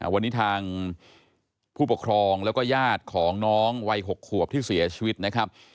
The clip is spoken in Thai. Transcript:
วันนี้ทางผู้ปกครองแล้วก็ญาติของน้องวัย๖ขวบที่เสียชีวิตนะครับ